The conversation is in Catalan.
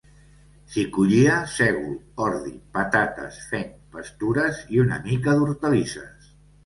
S'hi collia sègol, ordi, patates, fenc, pastures i una mica d'hortalisses.